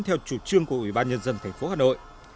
theo chủ trương của ủy ban nhân dân thành phố hà nội